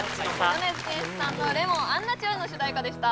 米津玄師さんの「Ｌｅｍｏｎ」「アンナチュラル」の主題歌でした